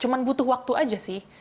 cuma butuh waktu aja sih